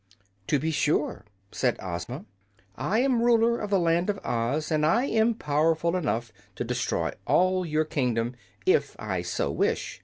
"To be sure," said Ozma. "I am Ruler of the Land of Oz, and I am powerful enough to destroy all your kingdom, if I so wish.